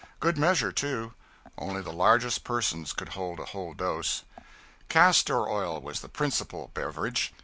Good measure, too. Only the largest persons could hold a whole dose. Castor oil was the principal beverage.